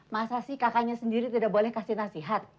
masa sih kakaknya sendiri tidak boleh kasih nasihat